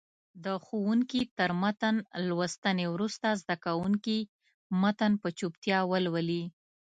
د ښوونکي تر متن لوستنې وروسته زده کوونکي متن په چوپتیا ولولي.